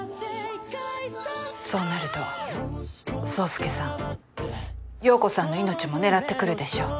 そうなると宗介さん葉子さんの命も狙ってくるでしょう。